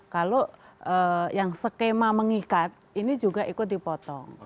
kalau yang skema mengikat ini juga ikut dipotong